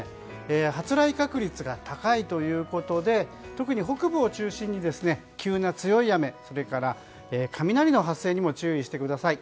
発雷確率が高いということで特に北部を中心に急な強い雨それから雷の発生にも注意してください。